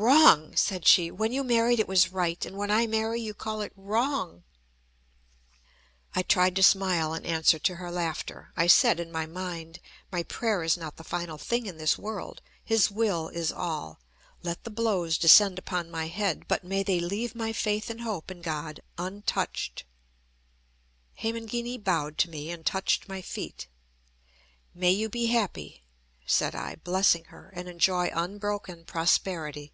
"Wrong!" said she. "When you married it was right; and when I marry, you call it wrong!" I tried to smile in answer to her laughter. I said in my mind: "My prayer is not the final thing in this world. His will is all. Let the blows descend upon my head; but may they leave my faith and hope in God untouched." Hemangini bowed to me, and touched my feet. "May you be happy," said I, blessing her, "and enjoy unbroken prosperity."